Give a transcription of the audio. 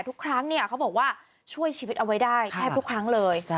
ทุกครั้งเขาบอกว่าช่วยชีวิตเอาไว้ได้แทบทุกครั้งเลย